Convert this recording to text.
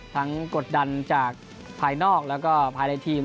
กดดันจากภายนอกแล้วก็ภายในทีม